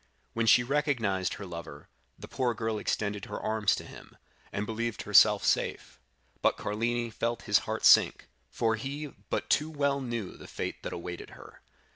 When she recognized her lover, the poor girl extended her arms to him, and believed herself safe; but Carlini felt his heart sink, for he but too well knew the fate that awaited her.